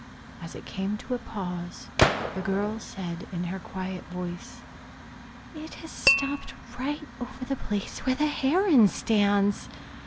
As it came to a pause, the girl said in her quiet voice, "It has stopped right over the place where the heron stands!"